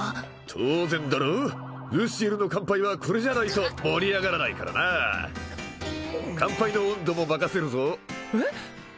当然だろルシエルの乾杯はこれじゃないと盛り上がらないからな乾杯の音頭も任せるぞえっ？